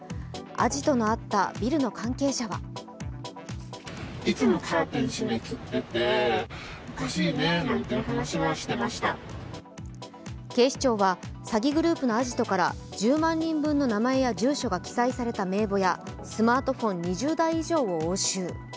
アジトのあったビルの関係者は警視庁は詐欺グループのアジトから１０万人分の名前や住所が記載された名簿やスマートフォン２０台以上を押収。